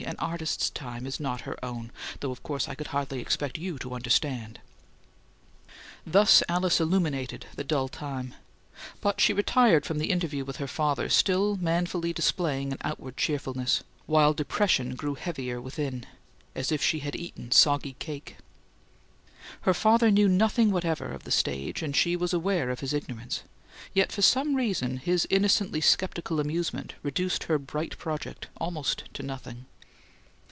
An artist's time is not her own, though of course I could hardly expect you to understand " Thus Alice illuminated the dull time; but she retired from the interview with her father still manfully displaying an outward cheerfulness, while depression grew heavier within, as if she had eaten soggy cake. Her father knew nothing whatever of the stage, and she was aware of his ignorance, yet for some reason his innocently skeptical amusement reduced her bright project almost to nothing.